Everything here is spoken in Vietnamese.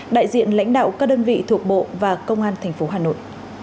đại diện lãnh đạo các đơn vị thuộc bộ và công an thành phố hà nội